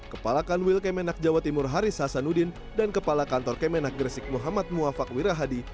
kepala kanwil kemenak jawa timur haris hasanuddin dan kepala kantor kemenak gresik muhammad muafak wirahadi